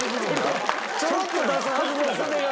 ちょろっと出すはずの袖が。